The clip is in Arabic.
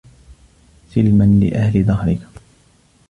سِلْمًا لِأَهْلِ دَهْرِك